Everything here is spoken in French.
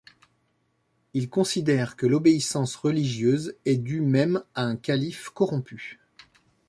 Ils considèrent que l'obéissance religieuse est due même à un calife corrompu.